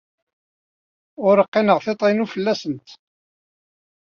Ur qqineɣ tiṭ-inu fell-asent.